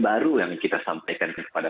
baru yang kita sampaikan kepada